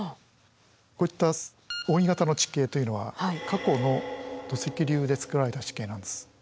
こういった扇形の地形というのは過去の土石流でつくられた地形なんです。